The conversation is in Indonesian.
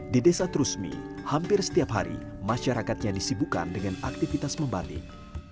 di desa trusmi hampir setiap hari masyarakatnya disibukan dengan aktivitas membatik